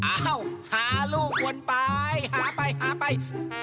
อ้าวหาลูกวนไปหาไปหาไป